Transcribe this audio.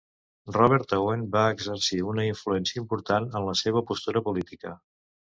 Robert Owen va exercir una influència important en la seva postura política.